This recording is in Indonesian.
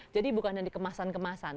jadi bukan yang dikemasan kemasan